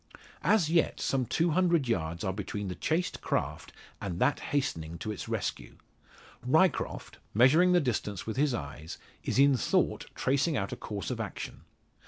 As yet some two hundred yards are between the chased craft and that hastening to its rescue. Ryecroft, measuring the distance with his eyes, is in thought tracing out a course of action.